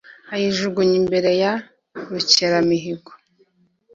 ayijugunya imbere ya rukeramihigo.